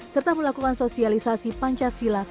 serta melakukan sosialisasi pancasila